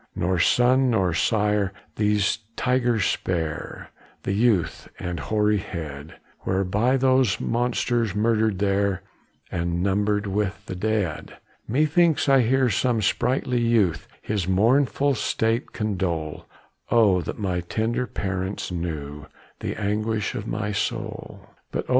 Nor son, nor sire, these tigers spare, The youth, and hoary head, Were by those monsters murdered there, And numbered with the dead. Methinks I hear some sprightly youth His mournful state condole: "Oh, that my tender parents knew The anguish of my soul! "But oh!